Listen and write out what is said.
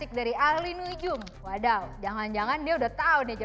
kita harus mengambil waktunya